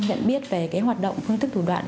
nhận biết về hoạt động phương tức thủ đoạn